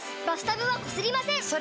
バスタブはこすりません！